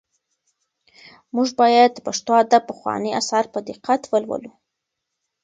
موږ باید د پښتو ادب پخواني اثار په دقت ولولو.